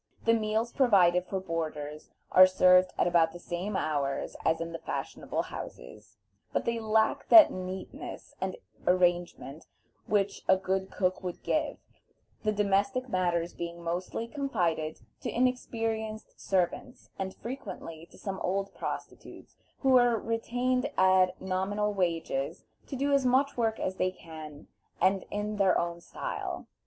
The meals provided for boarders are served at about the same hours as in the fashionable houses, but they lack that neatness and arrangement which a good cook would give, the domestic matters being mostly confided to inexperienced servants, and frequently to some old prostitutes who are retained at nominal wages to do as much work as they can, and in their own style.